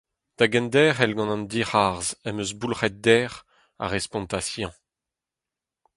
Da genderc’hel gant an dic’harzh am eus boulc’het dec’h, a respontas eñ.